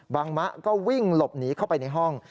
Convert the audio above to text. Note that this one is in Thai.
มะก็วิ่งหลบหนีเข้าไปในห้อง